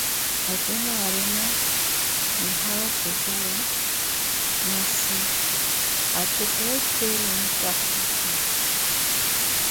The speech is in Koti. Akina aariina mihakhu zaya, masi, atthu khocela onttakhulisa.